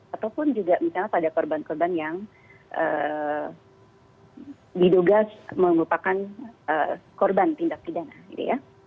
ataupun juga misalnya pada korban korban yang diduga merupakan korban tindak pidana gitu ya